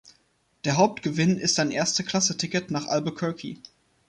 Der Hauptgewinn ist ein Erste-Klasse-Ticket nach Albuquerque.